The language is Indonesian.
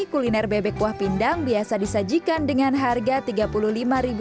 kuliner bebek kuah pindang biasa disajikan dengan harga rp tiga puluh lima